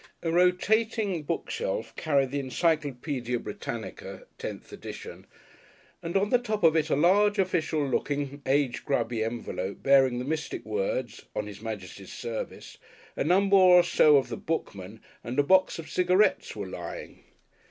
A rotating bookshelf carried the Encyclopædia Britannica (tenth edition), and on the top of it a large official looking, age grubby, envelope bearing the mystic words, "On His Majesty's Service," a number or so of the "Bookman," and a box of cigarettes were lying.